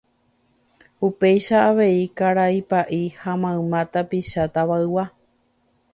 upéicha avei karai pa'i ha mayma tapicha Tava'igua